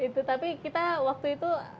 itu tapi kita waktu itu ada satu program